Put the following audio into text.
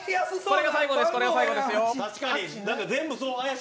これが最後ですよ。